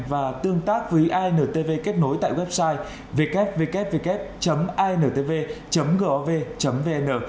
và tương tác với intv kết nối tại website ww intv gov vn